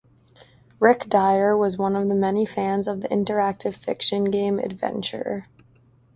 Rick Dyer was one of the many fans of the interactive fiction game "Adventure".